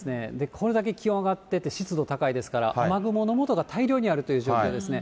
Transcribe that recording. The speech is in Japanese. これだけ気温上がってて、湿度高いですから、雨雲のもとが大量にあるという状況ですね。